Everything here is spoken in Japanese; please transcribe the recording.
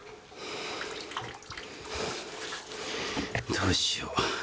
どうしよう？